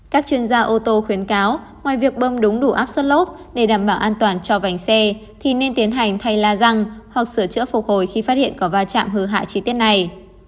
các chuyên gia ô tô khuyến cáo ngoài việc bơm đúng đủ áp suất lốp để đảm bảo an toàn cho vành xe thì nên tiến hành thay la răng hoặc sửa chữa phục hồi khi phát hiện có va chạm hư hại chi tiết này